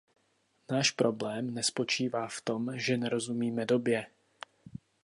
Náš problém nespočívá v tom, že nerozumíme době.